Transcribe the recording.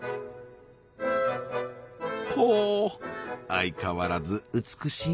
ほ相変わらず美しい。